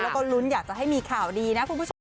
แล้วก็ลุ้นอยากจะให้มีข่าวดีนะคุณผู้ชม